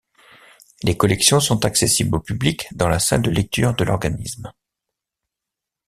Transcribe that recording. Les collections sont accessibles au public dans la salle de lecture de l'organisme.